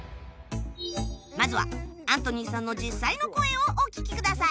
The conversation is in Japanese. まずはアントニーさんの実際の声をお聞きください